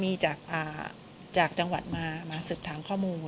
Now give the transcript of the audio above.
มีเจ้าหน้าที่มามีจากจังหวัดมาสืบถามข้อมูลนะคะ